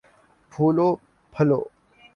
پھولو پھلو